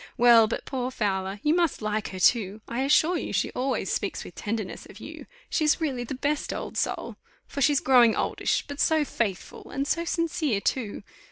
Well, but poor Fowler, you must like her, too I assure you she always speaks with tenderness of you; she is really the best old soul! for she's growing oldish, but so faithful, and so sincere too.